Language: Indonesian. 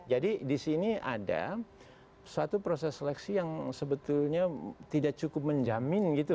jadi di sini ada suatu proses seleksi yang sebetulnya tidak cukup menjamin gitu